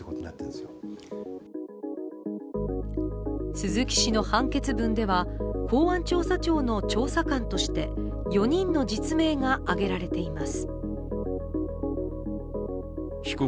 鈴木氏の判決文では公安調査庁の調査官として４人の実名が挙げられています。